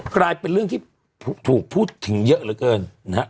กลายเป็นเรื่องที่ถูกพูดถึงเยอะเหลือเกินนะฮะ